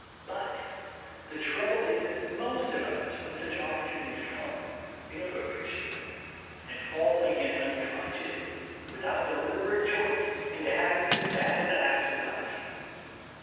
But the trouble is that most of us, when such opportunities come, fail to appreciate them, and fall again unconsciously, without deliberate choice, into habits as bad as the habits we left.